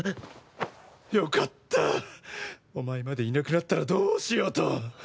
よかった、お前までいなくなったらどうしようと。